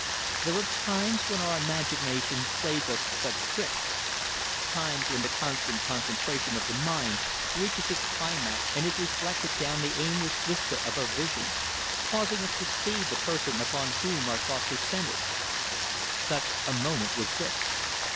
There are times when our imagination plays us such tricks times when the constant concentration of the mind reaches its climax and is reflected down the aimless vista of our vision, causing us to see the person upon whom our thoughts are centred. Such a moment was this.